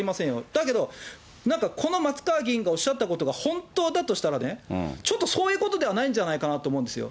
だけど、なんかこの松川議員がおっしゃったことが、本当だとしたらね、ちょっとそういうことではないんじゃないかなと思うんですよ。